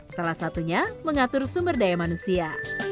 salah satunya mengatur sumber daya manusia